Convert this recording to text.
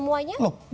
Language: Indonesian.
mau merangkul semuanya